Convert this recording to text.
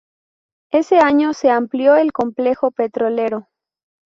Ese año se amplió el complejo petrolero.